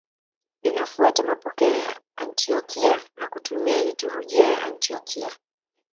Linafuata mapokeo ya Antiokia na kutumia liturujia ya Antiokia.